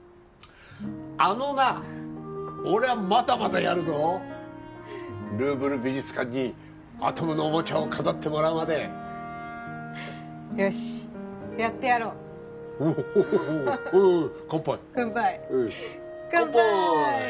あのなあ俺はまだまだやるぞルーブル美術館にアトムのおもちゃを飾ってもらうまでよしやってやろうおおおお乾杯乾杯かんぱい